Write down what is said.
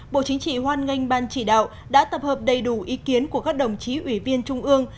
bộ chính trị hoan nghênh ban chỉ đạo đã tập hợp đầy đủ ý kiến của các đồng chí ủy viên trung ương